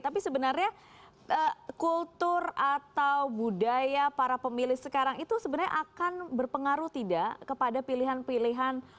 tapi sebenarnya kultur atau budaya para pemilih sekarang itu sebenarnya akan berpengaruh tidak kepada pilihan pilihan